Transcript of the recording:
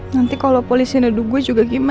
nanti kalo polisi ngeduk gua juga gimana